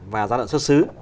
và gian lận xuất xứ